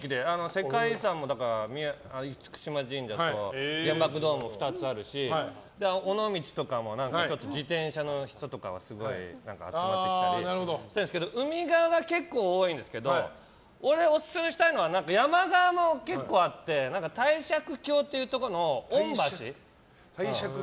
世界遺産も厳島神社と原爆ドーム２つあるし尾道とかも自転車の人はすごい集まってきたりしてるんですけど海側が結構、多いんですけど俺、オススメしたいのは山側も結構あって帝釈峡っていうところの雄橋。